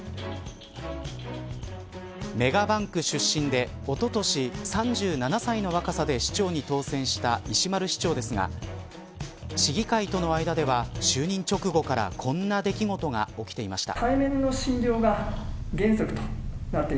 メガバンク出身で、おととし３７歳の若さで市長に当選した石丸市長ですが市議会との間では就任直後からこんな出来事が起きていました。